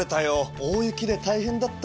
大雪で大変だった。